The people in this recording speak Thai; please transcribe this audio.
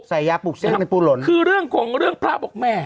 ใส่ยาปลูกเซ็กในปูหล่นคือเรื่องคงเรื่องพระบอกแม่